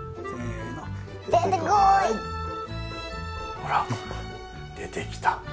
ほら出てきた。